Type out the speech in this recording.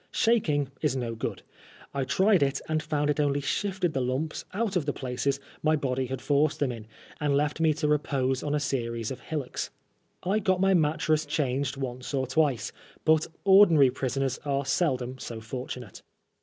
Shaking is no good ; I tried it, and found it only shifted the lumps out of the places my body had forced th^m in, and left me to repose on a series of hillocks. I got my mattress changed once or twice, but ordinary prisoners are seldom so fortunate.